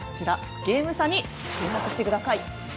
ゲーム差に注目してください。